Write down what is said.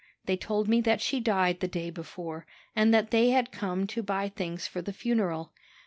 They told me that she died the day before, and that they had come to buy things for the funeral.